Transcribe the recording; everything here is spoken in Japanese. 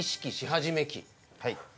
はい。